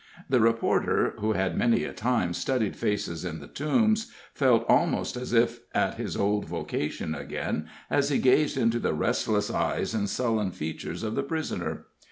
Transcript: The reporter, who had many a time studied faces in the Tombs, felt almost as if at his old vocation again as he gazed into the restless eyes and sullen features of the prisoner.